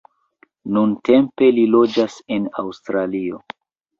Nuntempe li loĝas en Aŭstralio.